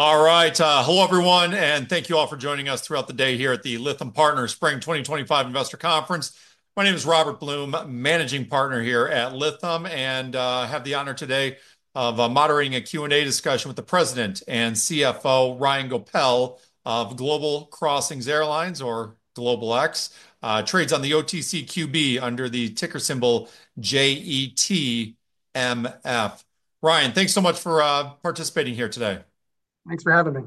All right. Hello, everyone, and thank you all for joining us throughout the day here at the Lytham Partners Spring 2025 Investor Conference. My name is Robert Blum, Managing Partner here at Lytham, and I have the honor today of moderating a Q&A discussion with the President and CFO, Ryan Goepel, of Global Crossing Airlines, or GlobalX, trades on the OTCQB under the ticker symbol JETMF. Ryan, thanks so much for participating here today. Thanks for having me.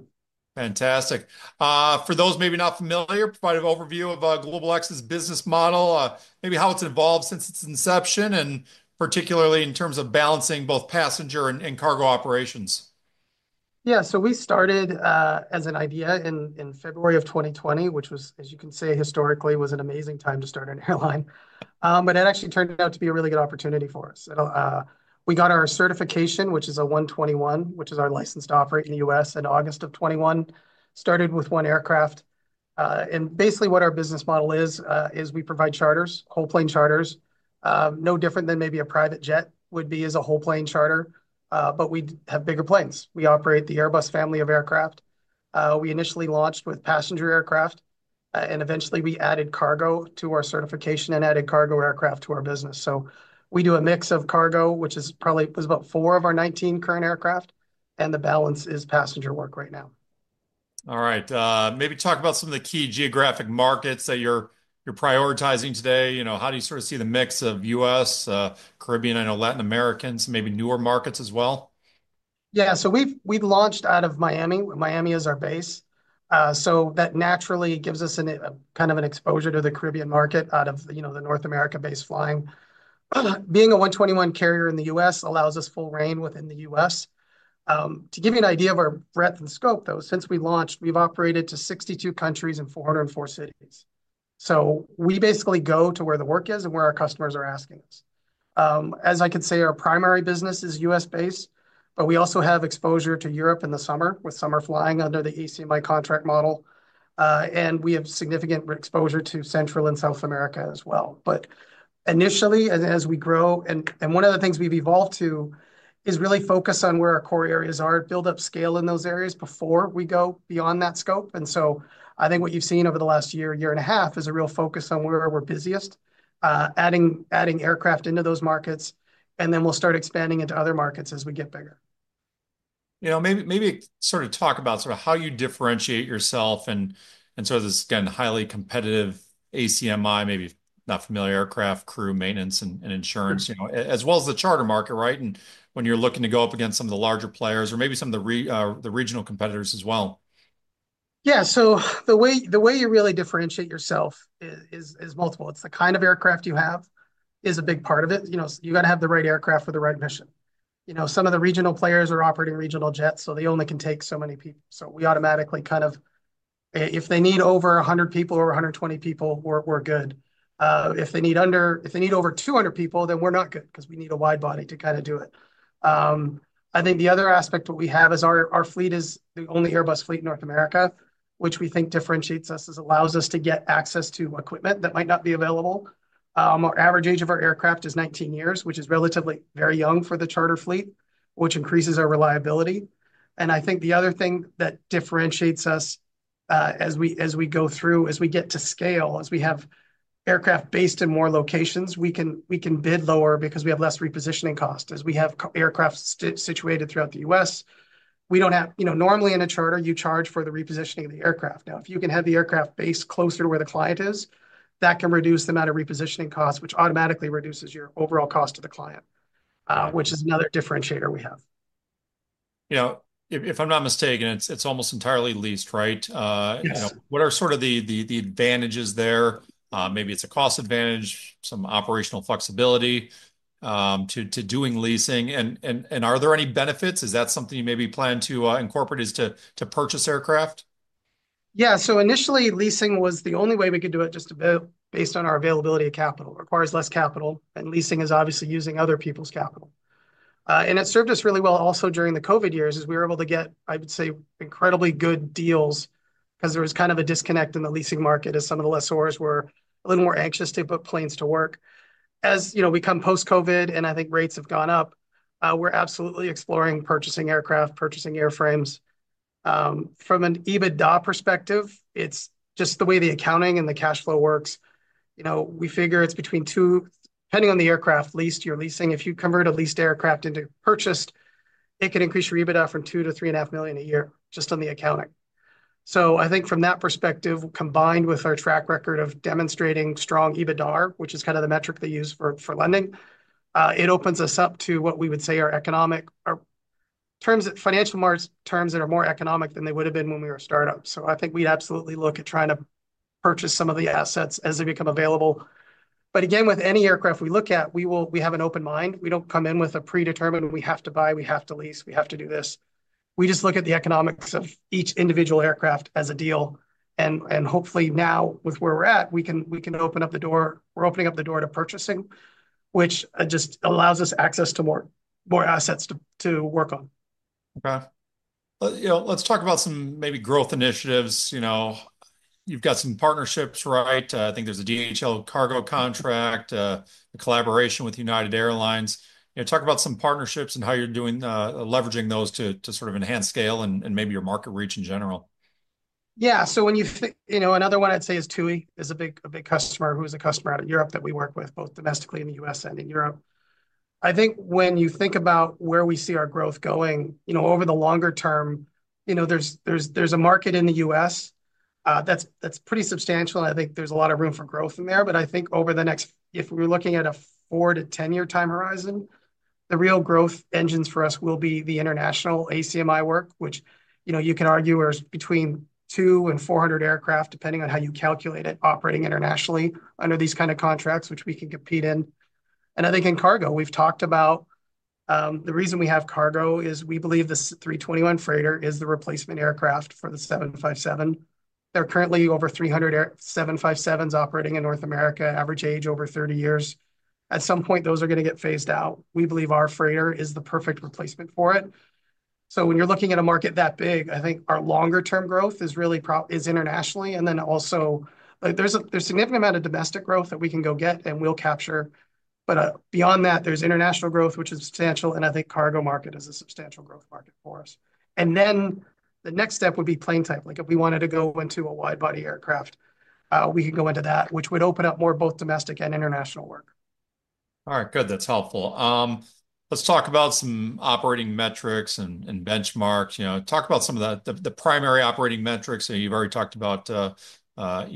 Fantastic. For those maybe not familiar, provide an overview of GlobalX's business model, maybe how it's evolved since its inception, and particularly in terms of balancing both passenger and cargo operations. Yeah. We started as an idea in February of 2020, which was, as you can say, historically was an amazing time to start an airline. It actually turned out to be a really good opportunity for us. We got our certification, which is a 121, which is our license to operate in the U.S. in August of 2021, started with one aircraft. Basically what our business model is, is we provide charters, whole plane charters, no different than maybe a private jet would be as a whole plane charter. We have bigger planes. We operate the Airbus family of aircraft. We initially launched with passenger aircraft, and eventually we added cargo to our certification and added cargo aircraft to our business. We do a mix of cargo, which is probably about four of our 19 current aircraft, and the balance is passenger work right now. All right. Maybe talk about some of the key geographic markets that you're prioritizing today. You know, how do you sort of see the mix of U.S., Caribbean, I know Latin America is maybe newer markets as well? Yeah. So we've launched out of Miami. Miami is our base. That naturally gives us kind of an exposure to the Caribbean market out of, you know, the North America base flying. Being a 121 carrier in the U.S. allows us full reign within the U.S. To give you an idea of our breadth and scope, though, since we launched, we've operated to 62 countries and 404 cities. We basically go to where the work is and where our customers are asking us. As I can say, our primary business is U.S. based, but we also have exposure to Europe in the summer with summer flying under the ACMI contract model. We have significant exposure to Central and South America as well. Initially, as we grow, and one of the things we've evolved to is really focus on where our core areas are, build up scale in those areas before we go beyond that scope. I think what you've seen over the last year, year and a half, is a real focus on where we're busiest, adding aircraft into those markets, and then we'll start expanding into other markets as we get bigger. You know, maybe sort of talk about sort of how you differentiate yourself in sort of this, again, highly competitive ACMI, maybe not familiar aircraft crew maintenance and insurance, you know, as well as the charter market, right? When you're looking to go up against some of the larger players or maybe some of the regional competitors as well. Yeah. The way you really differentiate yourself is multiple. It's the kind of aircraft you have is a big part of it. You know, you got to have the right aircraft for the right mission. You know, some of the regional players are operating regional jets, so they only can take so many people. We automatically kind of, if they need over 100 people, or 120 people, we're good. If they need under, if they need over 200 people, then we're not good because we need a wide body to kind of do it. I think the other aspect what we have is our fleet is the only Airbus fleet in North America, which we think differentiates us as it allows us to get access to equipment that might not be available. Our average age of our aircraft is 19 years, which is relatively very young for the charter fleet, which increases our reliability. I think the other thing that differentiates us as we go through, as we get to scale, as we have aircraft based in more locations, we can bid lower because we have less repositioning cost. As we have aircraft situated throughout the U.S., we do not have, you know, normally in a charter, you charge for the repositioning of the aircraft. Now, if you can have the aircraft based closer to where the client is, that can reduce the amount of repositioning costs, which automatically reduces your overall cost to the client, which is another differentiator we have. You know, if I'm not mistaken, it's almost entirely leased, right? What are sort of the advantages there? Maybe it's a cost advantage, some operational flexibility to doing leasing. Are there any benefits? Is that something you maybe plan to incorporate is to purchase aircraft? Yeah. Initially, leasing was the only way we could do it just based on our availability of capital. It requires less capital, and leasing is obviously using other people's capital. It served us really well also during the COVID years as we were able to get, I would say, incredibly good deals because there was kind of a disconnect in the leasing market as some of the lessors were a little more anxious to put planes to work. As you know, we come post-COVID, and I think rates have gone up. We're absolutely exploring purchasing aircraft, purchasing airframes. From an EBITDA perspective, it's just the way the accounting and the cash flow works. You know, we figure it's between two, depending on the aircraft leased, your leasing. If you convert a leased aircraft into purchased, it can increase your EBITDA from $2 million-$3.5 million a year just on the accounting. I think from that perspective, combined with our track record of demonstrating strong EBITDA, which is kind of the metric they use for lending, it opens us up to what we would say are economic terms, financial terms that are more economic than they would have been when we were a startup. I think we'd absolutely look at trying to purchase some of the assets as they become available. Again, with any aircraft we look at, we have an open mind. We do not come in with a predetermined we have to buy, we have to lease, we have to do this. We just look at the economics of each individual aircraft as a deal. Hopefully now with where we're at, we can open up the door. We're opening up the door to purchasing, which just allows us access to more assets to work on. Okay. You know, let's talk about some maybe growth initiatives. You know, you've got some partnerships, right? I think there's a DHL cargo contract, a collaboration with United Airlines. You know, talk about some partnerships and how you're doing leveraging those to sort of enhance scale and maybe your market reach in general. Yeah. So when you think, you know, another one I'd say is TUI is a big customer who is a customer out of Europe that we work with both domestically in the U.S. and in Europe. I think when you think about where we see our growth going, you know, over the longer term, you know, there's a market in the U.S. that's pretty substantial. I think there's a lot of room for growth in there. I think over the next, if we're looking at a four to ten-year time horizon, the real growth engines for us will be the international ACMI work, which, you know, you can argue is between two and 400 aircraft depending on how you calculate it operating internationally under these kind of contracts, which we can compete in. I think in cargo, we've talked about the reason we have cargo is we believe the 321 freighter is the replacement aircraft for the 757. There are currently over 300 757s operating in North America, average age over 30 years. At some point, those are going to get phased out. We believe our freighter is the perfect replacement for it. When you're looking at a market that big, I think our longer term growth is really internationally. There is also a significant amount of domestic growth that we can go get and we'll capture. Beyond that, there is international growth, which is substantial. I think cargo market is a substantial growth market for us. The next step would be plane type. Like if we wanted to go into a widebody aircraft, we can go into that, which would open up more both domestic and international work. All right. Good. That's helpful. Let's talk about some operating metrics and benchmarks. You know, talk about some of the primary operating metrics. You've already talked about EBITDA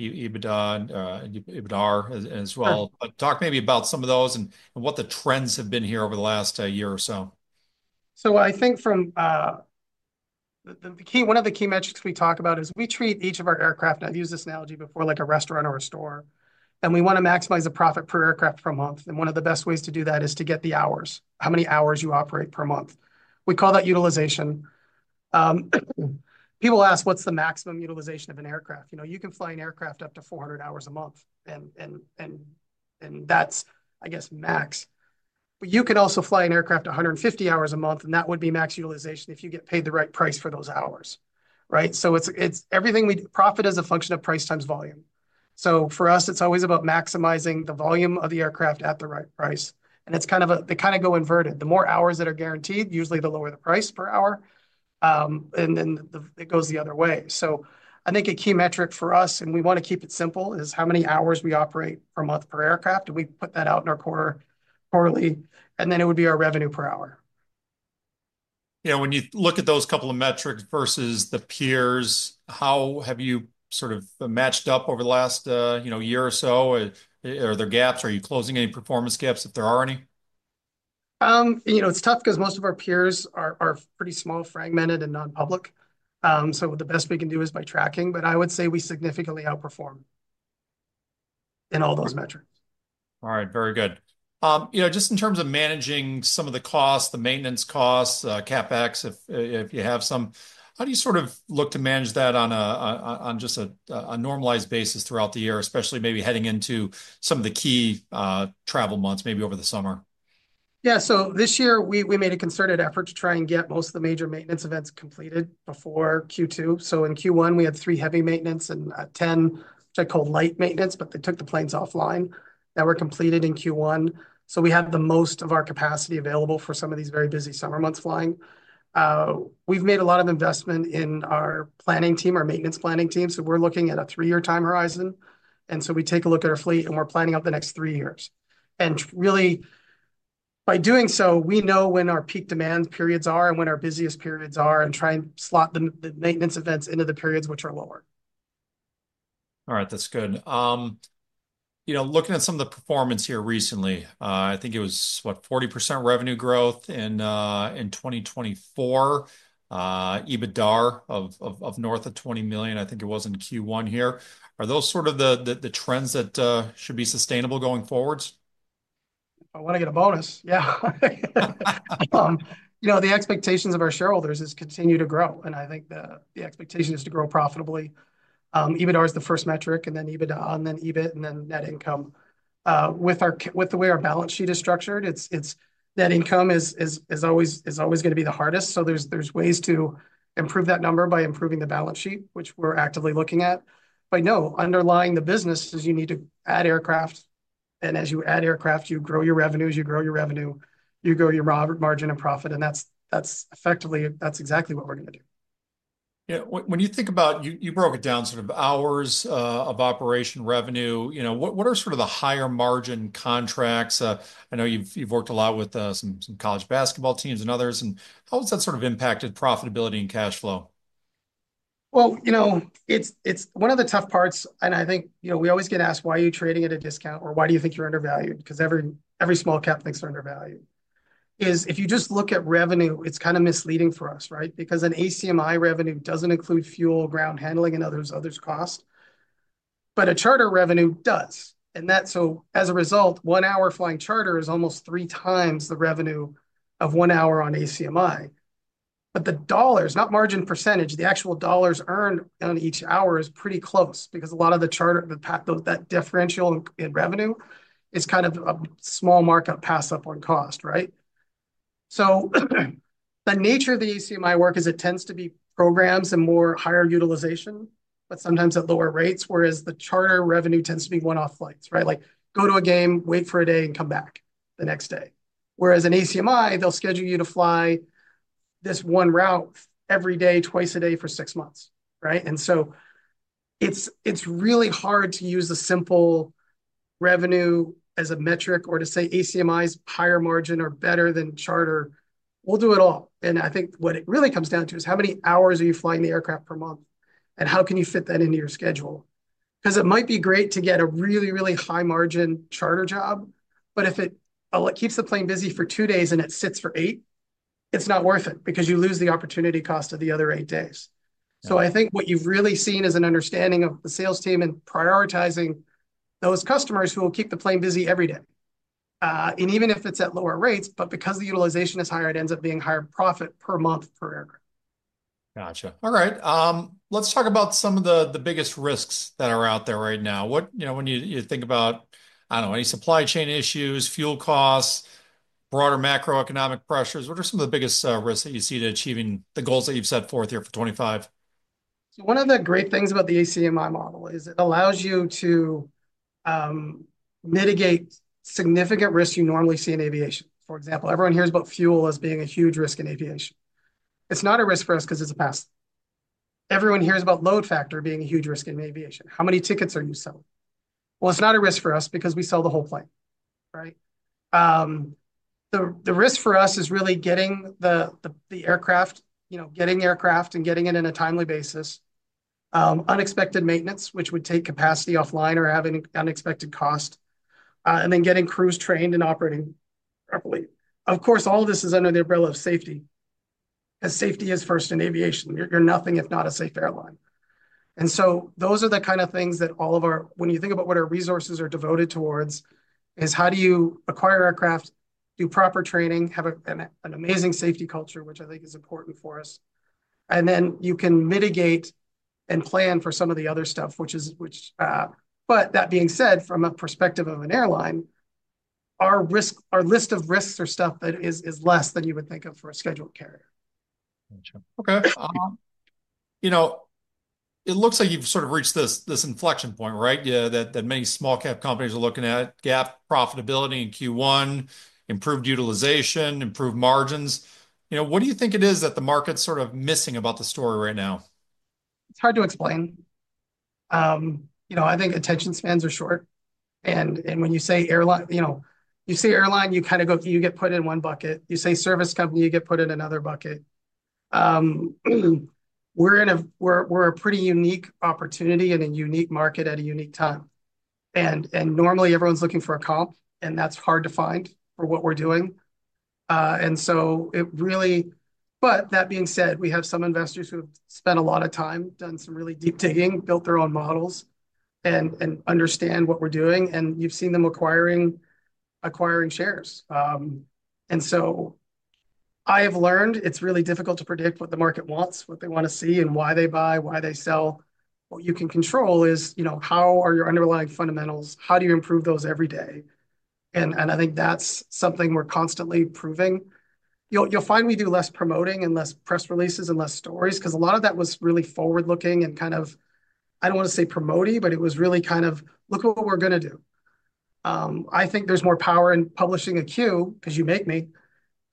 and EBITDAR as well. Talk maybe about some of those and what the trends have been here over the last year or so. I think from the key, one of the key metrics we talk about is we treat each of our aircraft, and I've used this analogy before, like a restaurant or a store, and we want to maximize the profit per aircraft per month. One of the best ways to do that is to get the hours, how many hours you operate per month. We call that utilization. People ask what's the maximum utilization of an aircraft. You know, you can fly an aircraft up to 400 hours a month, and that's, I guess, max. You can also fly an aircraft 150 hours a month, and that would be max utilization if you get paid the right price for those hours, right? It's everything we profit is a function of price times volume. For us, it's always about maximizing the volume of the aircraft at the right price. It's kind of a, they kind of go inverted. The more hours that are guaranteed, usually the lower the price per hour, and then it goes the other way. I think a key metric for us, and we want to keep it simple, is how many hours we operate per month per aircraft. We put that out in our quarterly, and then it would be our revenue per hour. You know, when you look at those couple of metrics versus the peers, how have you sort of matched up over the last, you know, year or so? Are there gaps? Are you closing any performance gaps if there are any? You know, it's tough because most of our peers are pretty small, fragmented, and non-public. The best we can do is by tracking. I would say we significantly outperform in all those metrics. All right. Very good. You know, just in terms of managing some of the costs, the maintenance costs, CapEx, if you have some, how do you sort of look to manage that on just a normalized basis throughout the year, especially maybe heading into some of the key travel months, maybe over the summer? Yeah. This year we made a concerted effort to try and get most of the major maintenance events completed before Q2. In Q1, we had three heavy maintenance and 10, which I call light maintenance, but they took the planes offline that were completed in Q1. We have most of our capacity available for some of these very busy summer months flying. We've made a lot of investment in our planning team, our maintenance planning team. We're looking at a three year time horizon. We take a look at our fleet and we're planning out the next three years. Really by doing so, we know when our peak demand periods are and when our busiest periods are and try and slot the maintenance events into the periods which are lower. All right. That's good. You know, looking at some of the performance here recently, I think it was, what, 40% revenue growth in 2024, EBITDAR of north of $20 million. I think it was in Q1 here. Are those sort of the trends that should be sustainable going forwards? I want to get a bonus. Yeah. You know, the expectations of our shareholders is continue to grow. And I think the expectation is to grow profitably. EBITDA is the first metric, and then EBITDA, and then EBIT, and then net income. With the way our balance sheet is structured, net income is always going to be the hardest. There are ways to improve that number by improving the balance sheet, which we're actively looking at. No, underlying the business is you need to add aircraft. As you add aircraft, you grow your revenues, you grow your revenue, you grow your margin and profit. That is effectively, that is exactly what we're going to do. Yeah. When you think about, you broke it down sort of hours of operation revenue, you know, what are sort of the higher margin contracts? I know you've worked a lot with some college basketball teams and others. How has that sort of impacted profitability and cash flow? You know, it's one of the tough parts. I think, you know, we always get asked, why are you trading at a discount or why do you think you're undervalued? Because every small cap thinks they're undervalued. If you just look at revenue, it's kind of misleading for us, right? Because an ACMI revenue doesn't include fuel, ground handling, and other costs. A charter revenue does. As a result, one hour flying charter is almost three times the revenue of one hour on ACMI. The dollars, not margin percentage, the actual dollars earned on each hour is pretty close because a lot of the charter, that differential in revenue is kind of a small markup pass up on cost, right? The nature of the ACMI work is it tends to be programs and more higher utilization, but sometimes at lower rates, whereas the charter revenue tends to be one-off flights, right? Like go to a game, wait for a day, and come back the next day. Whereas an ACMI, they'll schedule you to fly this one route every day, twice a day for six months, right? It is really hard to use a simple revenue as a metric or to say ACMI's higher margin or better than charter. We'll do it all. I think what it really comes down to is how many hours are you flying the aircraft per month and how can you fit that into your schedule? Because it might be great to get a really, really high margin charter job, but if it keeps the plane busy for two days and it sits for eight, it's not worth it because you lose the opportunity cost of the other eight days. I think what you've really seen is an understanding of the sales team and prioritizing those customers who will keep the plane busy every day. Even if it's at lower rates, but because the utilization is higher, it ends up being higher profit per month per aircraft. Gotcha. All right. Let's talk about some of the biggest risks that are out there right now. You know, when you think about, I don't know, any supply chain issues, fuel costs, broader macroeconomic pressures, what are some of the biggest risks that you see to achieving the goals that you've set forth here for 2025? One of the great things about the ACMI model is it allows you to mitigate significant risks you normally see in aviation. For example, everyone hears about fuel as being a huge risk in aviation. It's not a risk for us because it's a pass. Everyone hears about load factor being a huge risk in aviation. How many tickets are you selling? It's not a risk for us because we sell the whole plane, right? The risk for us is really getting the aircraft, you know, getting aircraft and getting it in a timely basis, unexpected maintenance, which would take capacity offline or have an unexpected cost, and then getting crews trained and operating properly. Of course, all of this is under the umbrella of safety. Safety is first in aviation. You're nothing if not a safe airline. Those are the kind of things that all of our, when you think about what our resources are devoted towards, is how do you acquire aircraft, do proper training, have an amazing safety culture, which I think is important for us. Then you can mitigate and plan for some of the other stuff, which is, but that being said, from a perspective of an airline, our list of risks or stuff that is less than you would think of for a scheduled carrier. Gotcha. Okay. You know, it looks like you've sort of reached this inflection point, right? That many small cap companies are looking at gap profitability in Q1, improved utilization, improved margins. You know, what do you think it is that the market's sort of missing about the story right now? It's hard to explain. You know, I think attention spans are short. When you say airline, you know, you say airline, you kind of go, you get put in one bucket. You say service company, you get put in another bucket. We're in a, we're a pretty unique opportunity and a unique market at a unique time. Normally everyone's looking for a comp, and that's hard to find for what we're doing. That being said, we have some investors who have spent a lot of time, done some really deep digging, built their own models and understand what we're doing. You've seen them acquiring shares. I have learned it's really difficult to predict what the market wants, what they want to see and why they buy, why they sell. What you can control is, you know, how are your underlying fundamentals? How do you improve those every day? I think that's something we're constantly proving. You'll find we do less promoting and less press releases and less stories because a lot of that was really forward looking and kind of, I don't want to say promotey, but it was really kind of look at what we're going to do. I think there's more power in publishing a Q because you make me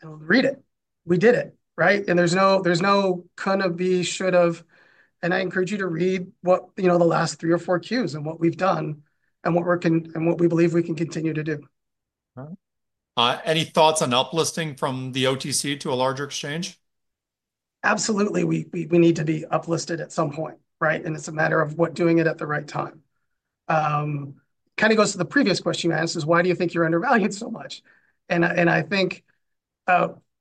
and read it. We did it, right? There's no couldn't be, should have. I encourage you to read what, you know, the last three or four Qs and what we've done and what we believe we can continue to do. Any thoughts on uplisting from the OTC to a larger exchange? Absolutely. We need to be uplifted at some point, right? It is a matter of doing it at the right time. Kind of goes to the previous question you asked is why do you think you're undervalued so much? I think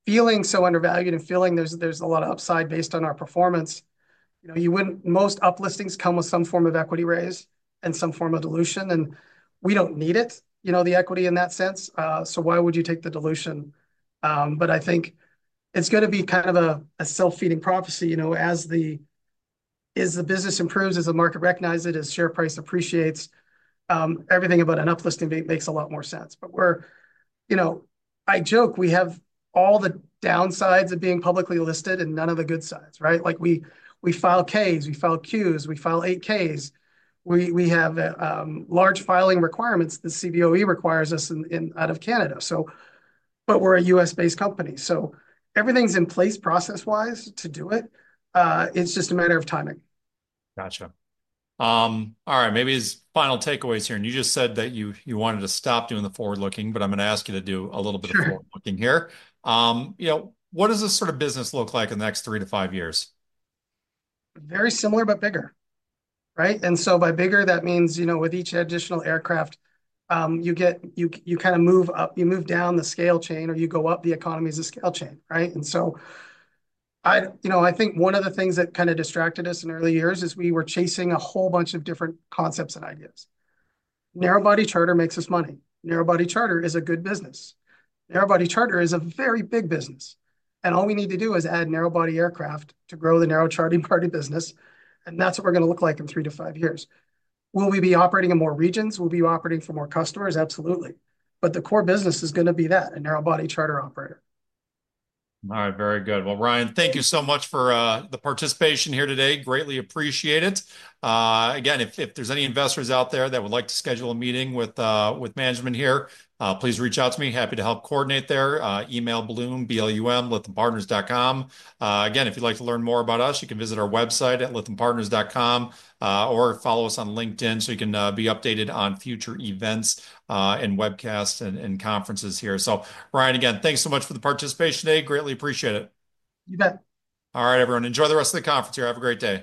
feeling so undervalued and feeling there's a lot of upside based on our performance, you know, most upliftings come with some form of equity raise and some form of dilution. We do not need it, you know, the equity in that sense. Why would you take the dilution? I think it is going to be kind of a self-feeding prophecy, you know, as the business improves, as the market recognizes it, as share price appreciates, everything about an uplifting date makes a lot more sense. We're, you know, I joke we have all the downsides of being publicly listed and none of the good sides, right? Like we file Ks, we file Qs, we file 8Ks. We have large filing requirements. The CBOE requires us out of Canada. We're a U.S.-based company. Everything's in place process-wise to do it. It's just a matter of timing. Gotcha. All right. Maybe his final takeaways here. You just said that you wanted to stop doing the forward looking, but I'm going to ask you to do a little bit of forward looking here. You know, what does this sort of business look like in the next three to five years? Very similar, but bigger, right? By bigger, that means, you know, with each additional aircraft, you kind of move up, you move down the scale chain or you go up the economy as a scale chain, right? You know, I think one of the things that kind of distracted us in early years is we were chasing a whole bunch of different concepts and ideas. Narrow body charter makes us money. Narrow body charter is a good business. Narrow body charter is a very big business. All we need to do is add narrow body aircraft to grow the narrow chartering party business. That is what we are going to look like in three to five years. Will we be operating in more regions? Will we be operating for more customers? Absolutely. The core business is going to be that, a narrow body charter operator. All right. Very good. Ryan, thank you so much for the participation here today. Greatly appreciate it. Again, if there are any investors out there that would like to schedule a meeting with management here, please reach out to me. Happy to help coordinate there. Email Blum, blum@lythampartners.com. Again, if you'd like to learn more about us, you can visit our website at lythampartners.com or follow us on LinkedIn so you can be updated on future events and webcasts and conferences here. Ryan, again, thanks so much for the participation today. Greatly appreciate it. You bet. All right, everyone. Enjoy the rest of the conference here. Have a great day.